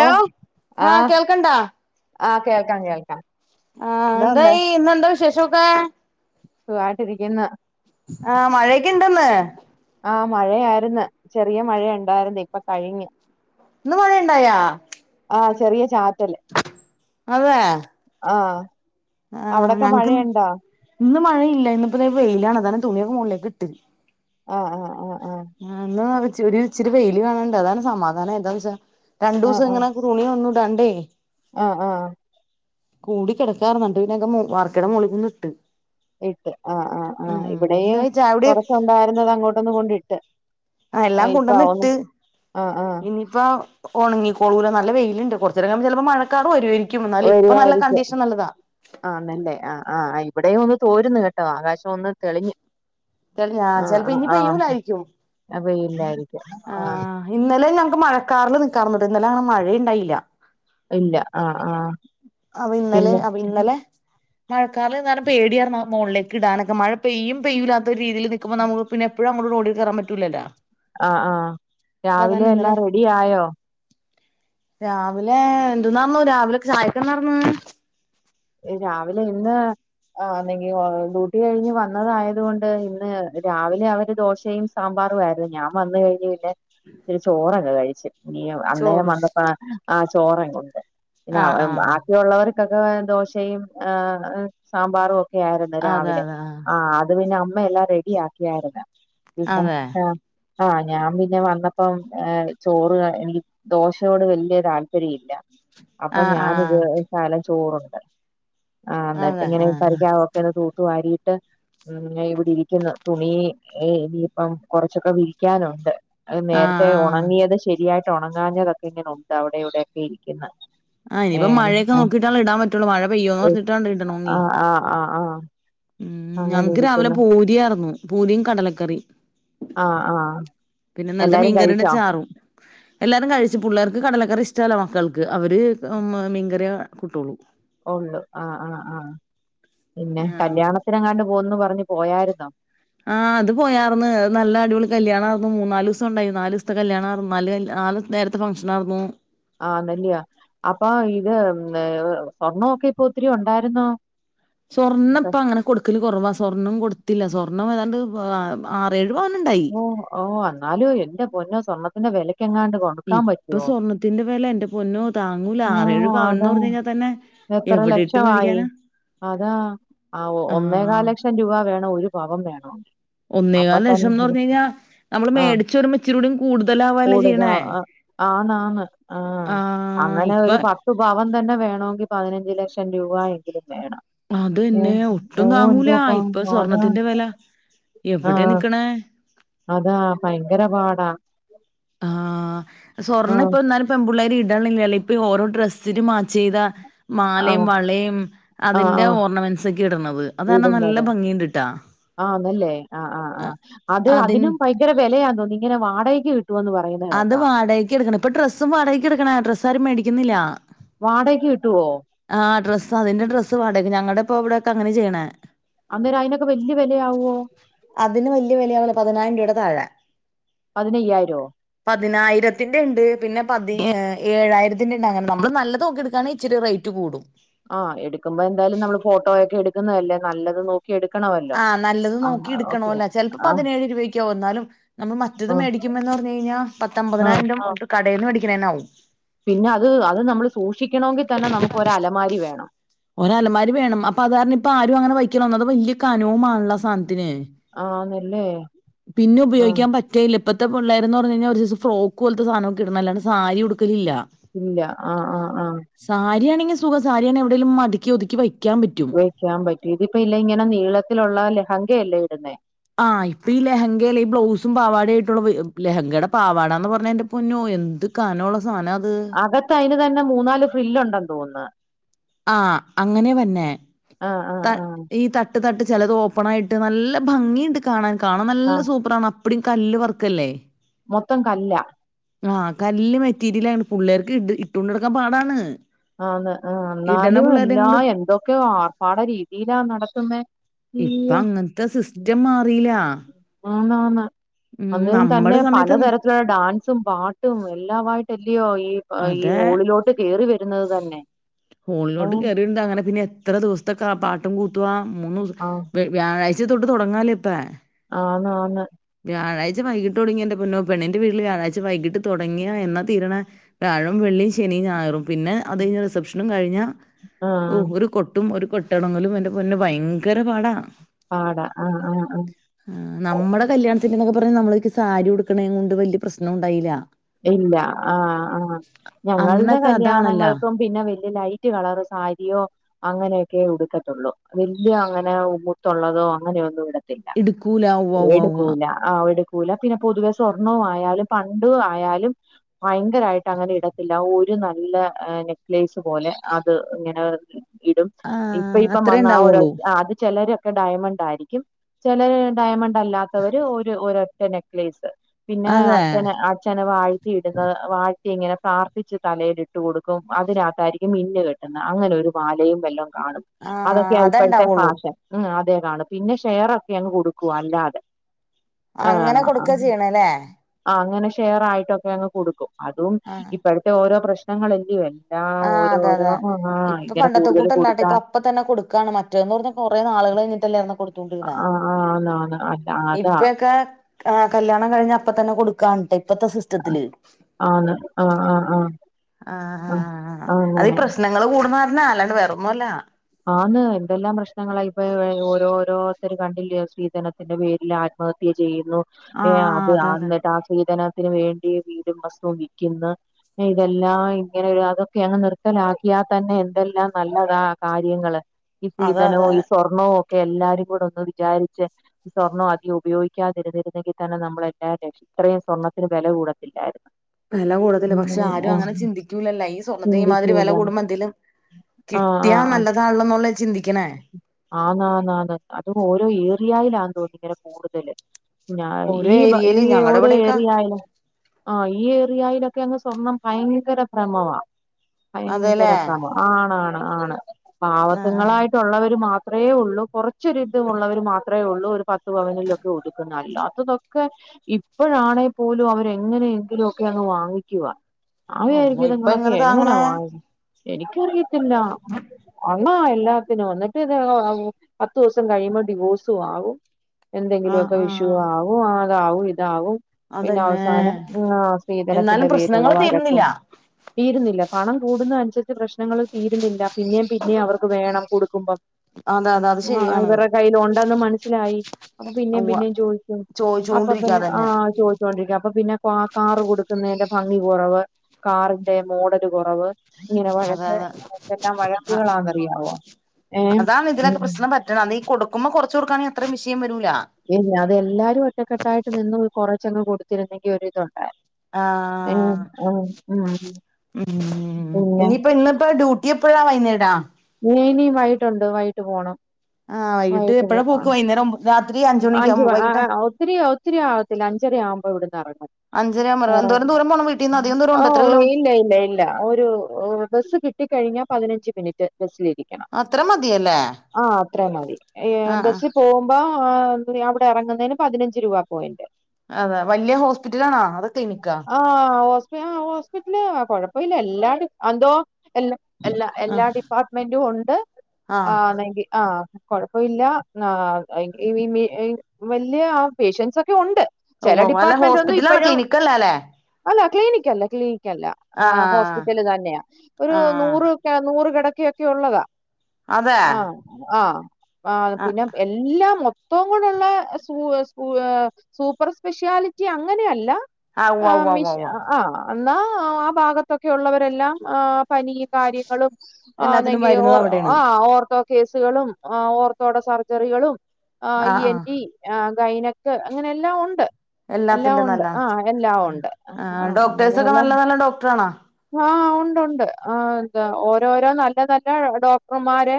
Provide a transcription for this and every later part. ഓ ആഹ് കേൾക്കണ്ടാ ആഹ് കേൾക്കാം കേൾക്കാം ആഹ എന്താ എന്തായീ ഇന്നെന്താ വിശേഷം ക്കേ സുഗായിട്ടിരിക്കുന്ന ആഹ മഴൊക്കെ ഇണ്ടന്ന് ആഹ മഴയായിരുന്നു ചെറിയ മഴയ ഉണ്ടായിരുന്നു ഇപ്പൊ കഴിഞ്ഞ് ഇന്ന് മഴയുണ്ടായ ആഹ ചെറിയ ചാറ്റല് അതേ ആഹ് ആ് അവിടൊക്കെ ഞങ്ങക്ക് മഴയുണ്ടോ ഇന്ന് മഴയില്ല ഇന്നിപ്പ വെയിലാണ് അതാ തുണിയ മോളേല്ലേ കിട്ട് ആഹ് ആഹ് ആഹ് ആഹ് ഇച്ചിരി ഇച്ചിരി വെയില് കാണ് ണ് ണ്ട് അതാണ് സമാധാനം, എന്താന്ന് വെച്ചാ രണ്ടു ആഹ് ആഹ് ദിവസംങ്ങനെ തുണി വന്ന തണ്ടേ ആഹ് ആഹ് കൂടി കിടക്ക ആയിരുന്നു പിന്നെ വർക്കയുടെ മുകളിൽ കൊണ്ടിട്ടു ഇട്ട് ആഹ് ആഹ് ആഹ് ഇവിടെയും എന്തായി ചായ കുടി കൊറച്ച് ഉണ്ടായിരുന്നത് അങ്ങോട്ടൊന്ന് കൊണ്ടിട്ട് ആ എല്ലാം ആഹ് ഇപ്പ കൊണ്ടുവന്ന്‌ ഒന്ന് ഇട്ട് ആഹ് ആഹ് ഇനിയിപ്പ ഉണങ്ങി കോളൂല്ലേ നല്ല വെയിലുണ്ട് കുറച്ച് നേരം കഴിയുമ്പോൾ ചിലപ്പോ മഴക്കാർ വരുമായിരിക്കും വരുവായിരിക്കും അനല്ലേ ആഹ് ആഹ് ആയി ഇവിടെയും ഒന്ന് തോരുന്നു കേട്ടോ ആകാശം ഒന്ന് തെളിഞ്ഞു ആ ചിലപ്പോ ഇനിയിപ്പോ പെയൂലായിരിക്കും വെയിലായി ആഹ് ഇന്നലെ ഞങ്ങൾക്ക് മഴക്കാറിൽ നിക്കാർന്നിട്ടോ ഇന്നലെ മഴ മഴണ്ടായില്ല ഇല്ല ആഹ് ആഹ് പിന്നെ മഴക്കാറുള്ള കാരണം പേടി ആയിരുന്നു മുകളിലേക്ക് ഇടാനൊക്കെ മഴ പെയ്യും പെയ്യുല്ലാത്ത ഒരു രീതിൽക്കുമ്പോ നമുക്ക് പിന്നെപ്പോഴും അങ്ങോട്ടും ഇങ്ങോട്ടും ഓടി കയറാൻ പറ്റൂലല്ലോ ആഹ് ആഹ് അപ്പൊ രാവിലെ അതാണ് ഇന്നലെ എല്ലാം റെഡി ആയോ രാവിലെ എന്തന്നായിരുന്നു രാവിലെ ചായക്ക് എന്താർന്നു രാവിലെ ഇന്ന് ആന്നെങ്കി ഡ്യൂട്ടി കഴിഞ്ഞ് വന്നതായത് കൊണ്ട് ഇന്ന് രാവിലെ അവര് ദോശയും സാമ്പാറു ആയിരുന്നു ഞാൻ വന്ന് കഴിഞ്ഞു പിന്നെ ചിരി ചോറങ്ങ് കയി ച്ച് ഇനി അന്നേരം ചോറ് വന്നപ്പ ആ ചോറ ങ്ങ കൊണ്ട് പിന്നെ ആഹ് ആഹ് ബാക്കിയുള്ളവർ മക്കാക്ക ദോഷ- ചെയും സാമ്പാറും ആയിരുന്നു അതെ രാവിലെ അതെ ആ അത് പിന്നെ എല്ലാം റെഡി ആക്കിയാര്ന്ന ആഹ് പിന്നെ അതെ ആഹ ആഹ ഞാൻ പിന്നെ വന്നപ്പം ഏ ചോറ് എനിക്ക് ദോശയോട് വലിയ താല്പര്യ ഇല്ല അപ്പൊ ആഹ് ഞാന് ആഹ് ഇത് തല ചോറുണ്ട് ആഹ് എന്നിട്ട് അതെ ഇങ്ങനെ ആഹ് കറിക്കാവൊക്കെ ഒന്ന് തൂത്തു വാരി മ്മ് -ഞായിവിടെരിക്കുന്ന തുണി ഇനിയിപ്പം കൊറച്ചൊക്കെ വിരിക്കാനുണ്ട് അത് ആഹ് നേരത്തെ ആഹ് ഉണങ്ങിയത് ശരിയാക്കി ഒണങ്ങാഞ്ഞതൊക്കെ ഇങ്ങനെ ഉണ്ട് അവിടെ ഇവിടെയൊക്കെ ഇരിക്കുന്ന ആഹ് ഇനിയിപ്പം മഴയൊക്കെ നോക്കിട്ടല്ലേ ഇടാൻ പറ്റോള്ളൂ മഴ പെയ്യോന്ന് പറഞ്ഞിട്ടാണ് ഇടണോങ്കി ആഹ് ആഹ് ആഹ് ആഹ് ഉം ഞങ്ങക്ക് രാവിലെ പൂരിയായിരുന്നു പൂരിയും കടലക്കറി ആഹ് ആഹ് എല്ലാരും മീൻകറിയുടെ കഴിച്ചോ ചാറും എല്ലാരും കഴിച്ചു പുള്ളറ്ക്ക് കടലക്കറി ഇഷ്ടല്ല മക്കൾക്ക് അവര് മീൻകറിയേ കൂട്ടോള്ളൂ ഒള്ളു ആഹ് ആഹ് ആഹ് ആഹ് പറഞ്ഞ് പോയായിരുന്നോ അത് പോയർന്ന് നല്ല അടിപൊളി കല്യാണാ മൂന്നാല് ദിവസണ്ടായി നാല് ദിവസത്തെ കല്യാണായിര് നാല് നാല് നേരത്തെ ഫംഗ്ഷനാരുന്നു ആണല്ല്യോ അപ്പാ ഇത് സ്വർണൊക്കെ ഇപ്പൊ ഒത്തിരി ഉണ്ടായിരുന്നോ സ്വാർണ്ണം ഇപ്പൊ ഇപ്പ അങ്ങനെ കൊടുക്കല് കൊറവാ സ്വർണ്ണം കൊട്ത്തില്ല സ്വർണ്ണം ഏതാണ്ട് [unintelligible] ആറേഴ് പവനുണ്ടായി ഓഹ് ഓഹ് എന്നാലും എന്റെ പൊന്നോ സ്വണ്ണത്തിന്റെ വേലെ ക്ക്യ എങ്ങാണ്ട് കൊടുക്കാൻ ഇപ്പൊ പറ്റൊ സ്വർണത്തിന്റെ വില എന്റെ പൊന്നോ താങ്ങൂല ആറേഴ് പവൻന്ന് പറഞ്ഞു കഴിഞ്ഞാൽ തന്നെ എത്ര എവിടെ ഇട്ട് ലക്ഷവായി മേടിക്കാനാ അതാ ഒന്നേകാൽ ആഹ് ലക്ഷം രൂപ വേണം ഒരു പവൻ വേണോ ഒന്നേകാല് ലക്ഷംന്ന്പറഞ്ഞ ഴിഞ്ഞാ നമ്മള് ആ മേടിച്ച് വരുമ്പോ ഇച്ചിരികൂടിം കൂടുതല ആവാല്ലോ കൂടുക ചെയ്യണേ ആ, ആന്നാന്ന് ആ ആഹ് അങ്ങനെ ഇപ്പൊ ഒരു പത്ത് പവൻ തന്നെ വേണമെങ്കിൽ പതിനഞ്ച് ലക്ഷം രൂപ എങ്കിലും വേണം ഏ, അതെന്നെ ഓ ഒട്ടും താങ്ങൂല എന്തോ ഇപ്പൊ സ്വർണത്തിന്റെ വില ങാ എവിടെ നിക്കണേ അതാ ഭയങ്കര പാടാ ങാ ആ സ്വർണ്ണപ്പം ഇന്നാലും പെൺപുള്ളേരിട് [unintelligible] ഓരോ ഡ്രസ്സിന് മാം ചെയ്ത ആ മാലയും വളയും ആ ആ അതിന്റെ ഓർണമെന്സ് ഒക്കെ ഇടണത് അതാണാൻ ഇടുന്നത് നല്ല ഭംഗിണ്ട്ട്ടാ ആഹ് അതിന് ഇങ്ങന വാടകക്ക് വിട്ട് അത് വാടകക്ക് എടുക്കണ് ഇപ്പൊ ഡ്രസ്സും വാടകക്ക് എടുക്കണ് ഡ്രസ്സാരും മേടിക് ഇന്നില്ല വാടയ്ക്ക് കിട്ടുവോ സ അതിന്റെ ഡ്രസ്സ് വാടക്ക് ഞങ്ങളുടെപ്പോവിടെയൊക്കെ അങ്ങനാ ചെയ്യണേ അന്നേരം അയിനൊക്കെ വല്യ വിലയാവോ അതിന് വലിയ വിലയാവൂല പതിനായിരം രൂപയുടെ താഴെ പതിനയ്യായിരോ പതിനായിരത്തിന്റെ ണ്ട് പിന്നെ പതി ഏഴായിരത്തിന്റെ ണ് നമ്മള് നല്ലത് നോക്കിട്ക്കാണെങ്കിത്തിരി റേറ്റ് കൂടും ങാ എടുക്കുമ്പോ എന്തായാലും നമ്മള് ഫോട്ടോയൊക്കെ എടുക്കുന്നതല്ലേ നല്ലത് നോക് ആഹ് നല്ലത് നോക്കി ഓക്കെ എടുക്കണോല്ലോ ചിലപ്പോ ആഹ് പതിനേഴ് രൂപയൊക്ക ആകും എന്നാലും നമ്മൾ മറ്റത് ആഹ് മേടിക്കുമ്പോ എന്നു പറഞ്ഞു കഴിഞ്ഞാൽ ആഹ് പത്തമ്പതിനായിരം രൂപക്ക് മോള് വേടിക്കണേന്നാവും പിന്നെ അത് അത് ന വേണം അലമാരി വേണം അപ്പൊ അതാരണം ഇപ്പ ആരും അങ്ങനെ വെകി അത് വല്യേകനവുമാണല്ലോ ത്തിനെ ആന്നല്ലേ പിന്നെ ആഹ് ഉപയോഗിക്കാൻ പറ്റ്കേല ഇപ്പത്തെ പിള്ളേര്ന്ന് പറഞ്ഞുകഴിഞ്ഞാ ഒരു സൈസ് ഫ്രോക്ക് പോലത്തെ സാധനാ ഇട്ണേ അല്ലാതെ സാരി ഉട്ക്കലില്ല. ഇല്ല ങാ ങാ ങാ സാരിയാണെങ്കിൽ സുഖാ സാരിയാണെ എവിടേലും മടക്കി ഒതുക്കി പറ്റും വെക്കാൻ പറ്റും ഇതിപ്പോ ഇല്ല ഇങ്ങനെ നീളത്തിലുള്ള ലഹങ്കയല്ലേ ന്നെ ആഹ് ഇപ്പൊ ഈ ലെഹങ്ക അല്ലേ ഈ ബ്ലൗസും പാവാടായിട്ടുള്ള ലെഹങ്കയുടെ പാവാടാന്ന് പറഞ്ഞ എന്റെ പൊന്നോ എന്ത് കനാ സാനാത് അകത്ത് അയിന് തന്നെ മൂന്നാല് ഫ്രില്ലുണ്ടെന്ന് തോന്ന്ന്നു ആ അങ്ങനെ വന്നെ ആഹ് ആഹ് ത ആഹ് ഈ തട്ട് തട്ട് ചിലത് ഓപ്പൺ ആയിട്ട് നല്ല ഭംഗിയുണ്ട് കാണാൻ കാണാൻ നല്ല ആഹ് സൂപ്പറാണ് [unintelligible] കല്ല് വർക്കല്ലേ മൊത്തം കല്ലാ ആഹ് കല്ല് മെറ്റീരിയലാണ് പുള്ളേർക്ക് ഇ ഇട്ടോണ്ട് നടക്കാൻ പാടാണ് ആന്ന് ആ ഇടണ ന്നാലും പിള്ളേരേം എല്ലാ കൊണ്ട് എന്തൊക്കെ ആർപ്പാട രീതിയിലാ നട [unintelligible] ഇപ്പ അങ്ങനത്തെ സിസ്റ്റം മാറിലാ ആന്ന് ആന്ന് അങ്ങനും തന്നെ സമയത്ത് ന്ന് പലതരത്തിലുള്ള ഡാൻസും പാ [unintelligible] ഈ ഈ അതെ ഹോളിലോട്ട് കേറി വ ഹോളിലോട്ട് കേറീണ്ട് അങ്ങനെ പിന്നെ എത്ര ദൂസ്തെ ആ പാട്ടും കൂത്തുവ മൂനൂസം ആഹ് വ് വ്യായ് ച്ച തൊട്ട് തുടങ്ങാല ഇപ്പാ ആന്ന് ആന്ന് വ്യാഴാഴ്ച വൈകിട്ട് തൊടങ്ങിയ എന്റെ പൊന്നു പെണ്ണിന്റെ വീട്ടില് വ്യാഴാഴ്ച വൈകിട്ട് തുടങ്ങിയാ എന്നാ തീരണേ വ്യാഴം, വെള്ളിയും, ശനും, ഞായറും പിന്നെ അത് കഴിഞ്ഞ റിസെപ്ഷനും കഴിഞ്ഞ ഓ ആഹ് ഒരു കൊട്ടും ഒരു കൊട്ടണമെങ്കിലും എന്റെ പൊന്നെ ഭയങ്കര പാടാ പാട ആ ആ ആ കല്യാണത്തിന്ന്നോക്കെ പറഞ്ഞ നമ്മളൊക്കെ സാരി ഉടുക്കണേ കൊണ്ട് വലിയ പ്രശ്നുണ്ടായില്ല ഇല്ല ആ ആ ഞങ്ങളുടെ അന്നൊക്കെ അതാണല്ല കല്യാണങ്ങൾക്കും പിന്നെ വ ലൈറ്റ് കളർ സാരിയോ അങ്ങനെയൊക്കെ ഉടുക്കത്തുള്ളൂ വല്യഅങ്ങനെ മുത്തുള്ളതോ അങ്ങനെയൊന്നും ഇട ഇടുക്കൂല ഉവ്വ വ വാ ല പിന്നെ പൊതുവെ സ്വർണ്ണ ആയാലും പണ്ട ആയാലും ഭയങ്കരമായിട്ട് അങ്ങനെ ഇടത്തില്ല ഒരു നല്ല നെക്ലേസ് പോലെ അത് ഇങ്ങനെ ഇടും ഇപ്പ ആഹ് ഇപ്പം അത്രേ വന്ന ആ ഒരൊ ഉണ്ടാവുള്ളൂ ആ അത് ചെലര് ഡയമണ്ട് ആയിരിക്കും ചെലെ ഡയമണ്ട് ല്ലാത്തവര് ഒരു ഒരൊറ്റ നെക്ലേസ് പിന്നെ അതെ അച്ഛന് അ ങ്ങനെ വാഴ്ത്തിയിടന്ന് വാഴ്ത്തി ഇങ്ങനെ പ്രാർത്ഥിച്ച് തലേൽട്ട് കൊടുക്കും അതിനകത്തായിരിക്കും മിന്ന് കെട്ടുന്നത് അങ്ങനെ ഒരു മാലയും വല്ലോം കാണും ആഹ് അതൊക്കെയാ ഇപ്പോഴത്തെ അതണ്ടാവുള്ളൂ ഫാഷൻ ഉം തേ കാണൂ പിന്നെ ഷെയറോക്കെ അങ്ങ് കൊടുക്കുവ അല്ലാതെ അങ്ങനെ ആഹ് കൊടുക്ക ചെയ്യണ ല്ലേ ആഹ് അങ്ങനെ ഷെയർ ആയിട്ടൊക്കെ അങ്ങ് കൊടുക്കും അതും ഇപ്പോഴത്തെ ഓരോ പ്രശ് ഞങ്ങളല്ലേ ആ അതെ അതെ ഇപ്പൊ പണ്ടത്തെ കൂടുതൽ കൂട്ടല്ലാട്ടെ കൊടുത്താ ഇപ്പ അപ്പൊ തന്നെ കൊടുക്കാണ് മറ്റേന്ന് പറഞ്ഞ കൊറെേ നാുകൾ കഴിഞ്ഞിട്ടല്ലെ അന്ന് കൊട് ആ ആ ആാന് ആന് അ അതാ ആ കല്യാണം കഴിഞ്ഞപ്പതന്നെ കൊടുക്കാനിട്ട ആന്ന് ആ ആ ആ ആ ആ ആ ആ അതിപ്രശ്നങ്ങൾ കു കൂടുന്ന കാരണാ അല്ലാണ്ട് വേറൊന്നുംല്ല ആന്ന് എന്തെല്ലാം പ്രശ്നങ്ങളപ്പൊ ഓരോരോരുത്തർ കണ്ടില്ലയോ സ്ത്രീധനത്തിന്റെ പേരിൽ ആത്മഹത്യ ചെയ്യു ന്നു ഏ ആഹ് അത് അതെ അതെ ആന്നിട്ട് ആ സ്ത്രീധന ത്തിന് വേണ്ടി വീടും വസ്തുവ്വും വിക്കിന്ന് ഇതെല്ലാം ഇങ്ങനെ അതൊക്കെ അങ്ങ് നിർത്തലാക്കിയാ തന്നെ എന്തെല്ലാം നല്ലതാ കാര്യങ്ങള് ഈ അതെ സ്ത്രീധനോം അതെ ഈ സ്വർണ്ണോ ഒക്കെ എല്ലാരും കൂടെ ഒന്ന് വിചാരിച്ച് സ്വർണം അധികം ഉപയോഗിക്കാതിരുന്നിരുന്നെങ്കിൽ തന്നെ നമ്മൾ എല്ലാംരക്ഷ ഇത്രയും സ്വർണ്ണത്തിന് വില കൂടത്തില്ലായിരുന്നു വെല കൂടത്തില്ല ഉം പക്ഷെ ഉം ആരും ആഹ് അങ്ങനെ ചിന്തിക്കൂലല്ലോ ഈ സ്വർണത്തിന് ഈമാതിരി വെല ചിന്തിക്കൂല കൂടുമ്പോ എന്തേലും ആ ആ കിട്ടിയാ ആ നല്ലതാണല്ലോന്നുള്ള ചിന്തിക്കണേ ആന്ന് ആന്ന് ആന്ന് അപ്പൊ ഓരോ ഏരിയയിലാ തോന്നു ഭയങ്കര കൂട്തൽ ഞാ ഒരു ഈ ബ ഈ ഏരിയേല് ഞങ്ങടെ ഓരോ ഇവിടെയൊക്കെ ഏരിയ ആയലും ആ ഈ ഏറിയയിലൊക്കെ അങ്ങ് സ്വർണം ഭയങ്കര ഭ്രമവാ അതെല്ലേ ഭയങ്കര ഭ്രമവാ ആണ് ആണ് ആണ് ആ പാവത്ത്ങ്ങളായിട്ടുള്ളവര് മാത്ര അത്രേ ഉള്ളൂ കുറച്ചൊരിത് മുള്ളവർ മാത്രേ ഒള്ളൂ പത്ത് പവനിലൊക്കെ ഒത്ക്കുന്നെ അല്ലാത്തതൊക്കെ ഇപ്പഴാണെ പോലും അവരെങ്ങനെയെങ്കിലും ഒക്കെ അങ്ങ് വാങ്ങിക്കുവാ അള്ളോ പാവയായിരിക്കും ഇപ്പ ഇത്ങ്ങളൊക്കെ എങ്ങനെ എങ്ങനെയാ താങ്ങണേ വങ്ങി എനിക്കറിയ ത്തില്ല അന്ന് എല്ലാത്തിനും എന്നിട്ട് ഇത് ആവും പത്തുസം കയ്യിമ്പോ ഡിവോസും ആവും ആ എന്തെങ്കിലൊക്കെ ആ വിഷുവും ആവും ആ അതാവും ഇതാവും പിന്നെ അതന്നെ അവസാനം ആ സ്ത്രീധനത്തിന്റെ എന്നാലും പേരിലുള്ള പ്രശ്നങ്ങള് തീരുന്നില്ല വഴക്കും തീരുന്നില്ല പണം കൂടുന്നനുസരി ന്ന്ട്ട് പ്രശ്നങ്ങൾ തീരുന്നില്ല പിന്നെ പിന്നെ അവർക്ക് വേണം കൊടുക്കുമ്പം അതെ അതെ അത് ആ ശരിയാണ് ഇവരെ കയ്യിൽ ഒൺ ട്ടെന്ന് മനസ്സിലായി അപ്പൊ പിന്നെ ഉവ്വ പിന്നെയും ചോയിക്കും അപ്പ പിന്നെ ആ ചോദിച്ചോണ്ടിരിക്കാതന്നെ ചോ ച്ചോണ്ടിരിക്കും അപ്പൊ പിന്നെ കാ കാർ കൊടുക്കുന്നെന്റെ ഭംഗി കൊറവ് കാറിന്റെ മോഡൽ കൊറവ് ത്തീൻ അതെ വഴക്ക് അതെ വഴക്കുകളാന്നറിയാവോ ഏ അതാണ് ഇതിനൊക്കെ പ്രശ്നം ഉം പറ്റ്ണേ അത് ഈ കൊടുക്കുമ്പോ കൊറച്ച് കൊട്ക്കാണെങ്കി അത്രയും വിഷയം വരൂ ഇല്ല അതെല്ലാരും ഒറ്റക്കെട്ടായിട്ട് നിന്ന് കുറ ച്ചങ്ങ് കൊടുത്തിരുന്നെങ്കി ഒരിത് ഒണ്ടായിരു ആ ഉം ഉം പിന്നെ ഇനിയിപ്പം ഇന്നിപ്പ ഡ്യൂട്ടി എപ്പഴാ വൈന്നേര ആ നീ ഇനി വൈട്ടുണ്ട് വൈട്ട് പോണം ആ വൈകിട്ട് എപ്പഴ പോക്ക് വൈന്നേരം ആവു അഞ്ചു ഒത്തിരി ഒത്തിരി ആവത്തില്ല അഞ്ച് അഞ്ചരയാകുമ്പോ ഇവിടിന്നിറങ്ങും അഞ്ചരയാകുമ്പോ എന്തോരം ദൂരം പോണം വീട്ടീന്ന് അധികം ദൂരം ആ ഉണ്ടോ എത്ര ഓ കിലോ ഇല്ല ഇല്ല ഇല്ല ഒരു ബസ് കിട്ടി കഴിഞ്ഞ പതിനഞ്ച് മിനിറ്റ് ബസ്സിലേക്ക് ക്കണം അത്ര മതിയല്ലേ ആ അത്രേ മതി ഈയ് ആഹ് ആഹ് ബസ്സിൽ പോകുമ്പ ആഹ് അവിടെ ഇറങ്ങുന്നെന് പതിനഞ്ച് രൂപ പോയിന്റ് അതെ വലിയ ഹോസ്പിറ്റലാണ അതാ ക്ലനിക്കാ വീട്ടില് കുഴപ്പമില്ല എല്ലാരടും എന്തോ എല്ല എല്ലാ എല്ലാ ആഹ് ഡിപ്പാർട്ട്മെന്റും ഉണ്ട് ആഹ് ആന്നെങ്കിൽ ആ കൊഴപ്പയില്ല ആ [unintelligible] വലിയ ആ പേഷ്യൻസ് ഒക്കെ ഉണ്ട് ഉവ്വ ചെല ഉവ്വ അല്ല ഡിപ്പാർട്ട്മെന്റ് ഹോസ്പിറ്റലാണ ക്ലിനിക്കല്ലല്ലേ ക്ലിനിക് അല്ല ക്ലിനിക് ഹോസ്പിറ്റല് തന്നെയ ഒരു ആഹ് നൂറ് നൂറ് കിടക്ക ഒക്കെ ഉള്ളതാ അതെ ആഹ് ആഹ് ആഹ് പിന്നെ എല്ലാം ത്തവും കൂടെള്ള സൂ സൂ സൂപ്പർ സ്പെഷ്യാലിറ്റി അങ്ങനെയ അല്ല ആ ഉവ്വ ഉവ്വ ഉവ്വ ഉവ്വ എന്നാ ആ ഭാഗത്തൊക്കെ ഉള്ളവരെല്ലാം ആ പനി കാര്യങ്ങളും എല്ലാത്തിനും ആന്നെങ്കിൽ ഓ വരുന്നത് അവിടെയാണ് ആ ഓർത്തോ കേസുകളും ഓർ തോട സർജറികളും ആ ഈ ആഹ് എൻ ആഹ് റ്റി ആ ഗൈനക്ക് അങ്ങനെ എല്ലാം ഒണ്ട് എല്ലാം എല്ലാത്തിന്റെം ഒണ്ട് നല്ല ആഹ് എല്ലാം ഒണ്ട് ആ ആഹ് ഡോക്ടേഴ്സൊക്കെ അങ്ങനെയുള്ള നല്ല നല്ല ഡോക്ടറാണോ ആഹ് ഒണ്ടൊണ്ട് ആ ഓ ഓരോരോ നല്ല നല്ല ഡോക്ടർമാരെ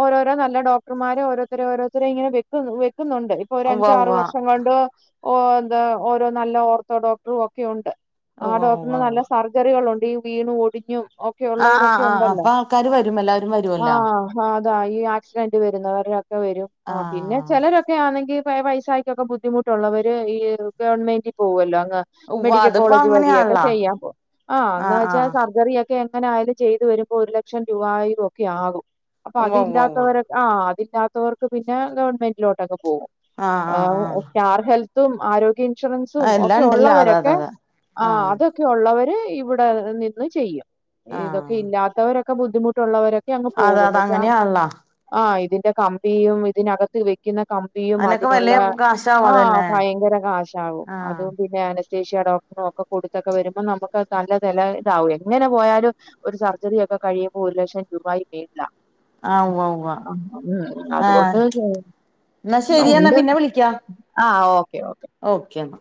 ഓരോരോ നല്ല ഡോക്ടർമാര് ഓരോത്തരെ ഓരോത്തരെ ഇങ്ങനെ വെ [unintelligible] ക്കുന്നുണ്ട് ഇപ്പൊ ഒരു ഉവ്വ് അഞ്ച് ആറ് വർഷം കൊണ്ട് ഓ എന്താ ഓരോ നല്ല ഓർത്തോ ഡോക്ടറും ഒക്കെ ഉണ്ട് ആ ഉവ്വ് ഉവ്വ് ഉവ്വ് ഡോക്ടറിന് നല്ല ഉവ്വ് സർജറികൾ ഒ ടി വീണ്‌ ഒടിഞ്ഞു ഓക്കെ ആഹ് ആഹ് ഉള്ളവരൊക്കെ ആഹ് ഉണ്ടല്ലോ അപ്പൊ ആൾക്കാര് വരും എല്ലാവരും ആ വരുവല്ലോ അതാ ഈ ആക്സിഡന്റ് വരുന്നവരെയൊക്കെ വരും ആ പിന്നെ ആഹ് ചിലരൊക്കെ ആന്നെങ്കി വയസ്സായിട്ടൊക്കെ ബുദ്ധിമുട്ടുള്ളവര് ഈ ഗവൺമെന്റിൽ പോവുവല്ലോ. ഉവ്വ് മെഡിക്കൽ അതിപ്പോ കോളേജ് വഴിയൊക്കെ അങ്ങനെയാണല്ലോ ചെയ്യാൻ പോം ആഹ് എന്ന് വെച്ചാ സർജറി പ്പോ എങ്ങനെ ആയാലും ചെയ്തു വരുമ്പോൾ ഒരു ലക്ഷം രൂപായും ഒക്കെ ആകും. അപ്പൊ ഉവ്വ ഉവ്വ ഉവ്വ അതില്ലാത്തവരെ ആഹ്. കിട്ടാത്തവർക്ക് പി ഞാൻ ഗവൺമെന്റിലോട്ടൊക്കെ പോകും ആഹ് സ്റ്റാർ ഹെൽ ത്തും ആരോ ഇൻഷുറൻസും ആഹ് എല്ലാം ഒക്കെ ഉണ്ടല്ലോ അതെ അതെ ഉള്ളവരൊക്കെ അതെ ആഹ് അതൊക്കെ ഉള്ളവര് ഇവിടെ നിന്ന് ചെയ്യാം. ഇതൊക്കെ ആഹ് ഇല്ലാത്തവരൊ ക്ക ബുദ്ധിമു ട്ടുള്ളവരൊക്കെ അങ്ങ് അതെ പോകും അതെ എന്നുച്ചാ അങ്ങനെയാണല്ലോ ആഹ് ഇതി കമ്പിയും ഇതിനകത്ത് വെക്കുന്ന കമ്പിയും അതിനൊക്കെ അതിനുള്ള വലിയ കാശാവും ആഹ് അതന്നെ ഭയങ്കര കാശാവും ആഹ് അതും പിന്നെ അതി നസ്തേഷ്യ ഡോക്ടറിനും ഒക്കെ കൊടുത്തൊക്കെ വരുമ്പോൾ നമുക്ക് നല്ല നില ഇതാവും എങ്ങനെ പോയാലും ഒരു സർജറി ഒക്കെ കഴിയുമ്പോ ഒരു ലക്ഷം രൂപായി മേളിലാകും. ആഹ് ഉവ്വ ഉവ്വ ആഹ് എന്നാ ആ ശരിയെന്നാ ഉണ്ട് പിന്നെ വിളിക്കാം ആഹ് ഓ. ഓക്കെ എന്ന.